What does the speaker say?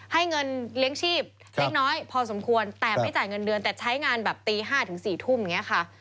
ให้เงินเลี้ยงชีพเล็กน้อยพอสมควรแต่ไม่จ่ายเงินเดือนแต่ใช้งานแบบตี๕ถึง๔ทุ่มอย่างนี้ค่ะ